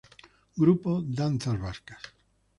Grupo Danzas vascas.